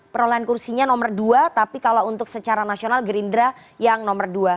perolehan kursinya nomor dua tapi kalau untuk secara nasional gerindra yang nomor dua